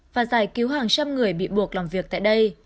và giải cứu hàng trăm người bị buộc làm việc tại đây